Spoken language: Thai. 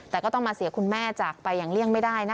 แต่ก็ต้องมาเสียคุณแม่จากไปอย่างเลี่ยงไม่ได้นะคะ